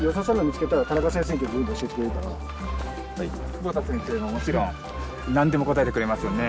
久保田先生ももちろん何でも答えてくれますよね。